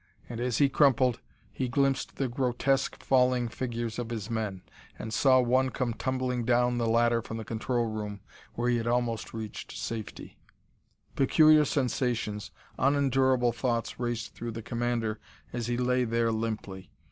And as he crumpled, he glimpsed the grotesque, falling figures of his men, and saw one come tumbling down the ladder from the control room, where he had almost reached safety.... Peculiar sensations, unendurable thoughts raced through the commander as he lay there limply.